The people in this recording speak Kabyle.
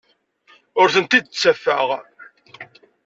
Ur tent-id-ttafeɣ.